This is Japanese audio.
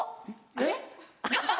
えっ？